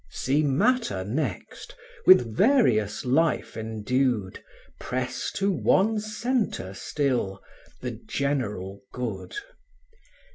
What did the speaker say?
See matter next, with various life endued, Press to one centre still, the general good.